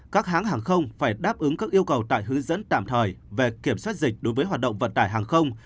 các hãng hàng không phải đáp ứng các yêu cầu tại hướng dẫn tạm thời về kiểm soát dịch đối với hoạt động vận tải hàng không